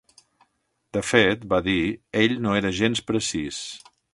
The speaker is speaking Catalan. De fet, va dir, ell no era gens precís.